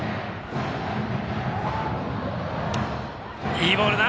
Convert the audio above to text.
いいボールだ！